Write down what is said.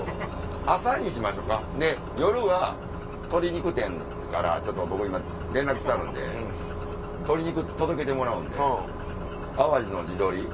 朝にしましょかで夜は鶏肉店からちょっと僕今連絡してあるんで鶏肉届けてもらうんで淡路の地鶏。